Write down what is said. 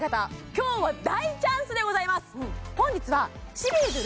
今日は大チャンスでございます！